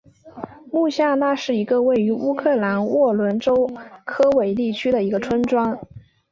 穆夏那是一个位于乌克兰沃伦州科韦利区的一个村庄。